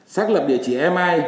xác lập địa chỉ emai